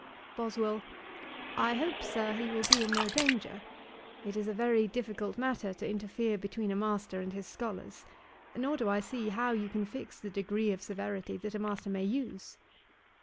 BOSWELL. 'I hope, Sir, he will be in no danger. It is a very delicate matter to interfere between a master and his scholars: nor do I see how you can fix the degree of severity that a master may use.'